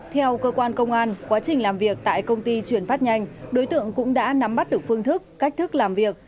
theo cơ quan công an quá trình làm việc tại công ty chuyển phát nhanh đối tượng cũng đã nắm bắt được phương thức cách thức làm việc